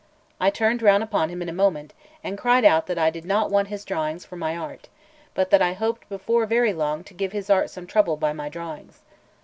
I turned round upon him in a moment, and cried out that I did not want his drawings for my art, but that I hoped before very long to give his art some trouble by my drawings.